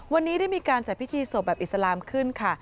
วันนี้ได้มีการจัดพิธีศพแบบอิสลามขึ้นค่ะ